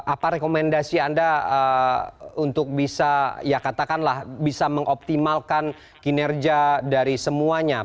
apa rekomendasi anda untuk bisa mengoptimalkan kinerja dari semuanya